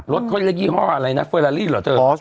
รถที่นี่ห้อฟอส